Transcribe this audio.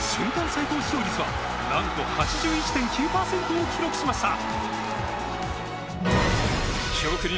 最高視聴率は、なんと８１．９％を記録しました。